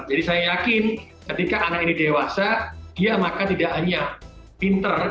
jadi saya yakin ketika anak ini dewasa dia maka tidak hanya pinter